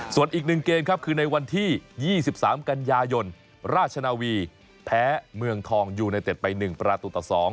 ส่วนอีก๑เกมครับคือในวันที่๒๓กันยายนราชนาวีแพ้เมืองทองยูไนเต็ดไป๑ประตูต่อ๒